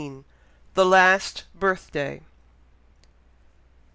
THE LAST BIRTH DAY.